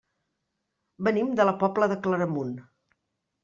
Venim de la Pobla de Claramunt.